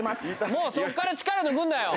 もうそこから力抜くんだよ